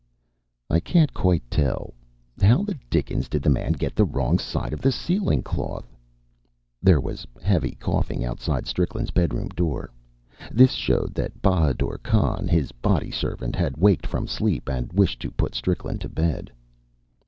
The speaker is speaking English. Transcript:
"I can't quite tell. How the dickens did the man get the wrong side of the ceiling cloth?" There was a heavy coughing outside Strickland's bedroom door. This showed that Bahadur Khan, his body servant, had waked from sleep and wished to put Strickland to bed.